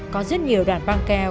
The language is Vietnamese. có rất nhiều đoạn băng keo